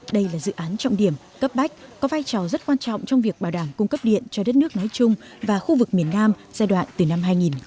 đây là dự án trọng điểm cấp bách có vai trò rất quan trọng trong việc bảo đảm cung cấp điện cho đất nước nói chung và khu vực miền nam giai đoạn từ năm hai nghìn một mươi tám